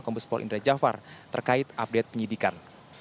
kompes pol indra jafar terkait update penyidikan